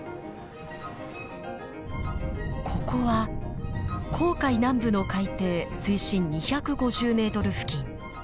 ここは紅海南部の海底水深２５０ｍ付近。